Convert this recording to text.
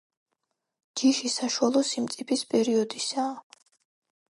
ჯიში საშუალო სიმწიფის პერიოდისაა.